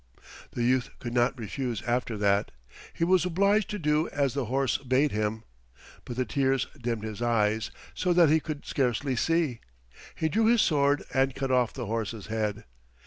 The youth could not refuse after that. He was obliged to do as the horse bade him, but the tears dimmed his eyes so that he could scarcely see. He drew his sword and cut off the horse's head.